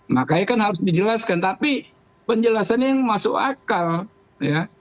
makanya kan harus dijelaskan tapi penjelasannya yang masuk akal ya